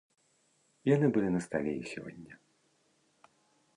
Яны былі на стале і сёння.